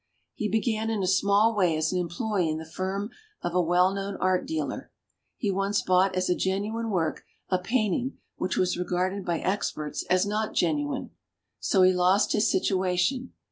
He began in a small way as an employee in the firm of a well known art dealer. He once bought as a genuine work a painting which was regarded by experts as not genu ine. So he lost his situation.